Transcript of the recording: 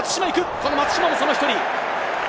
その松島もその１人。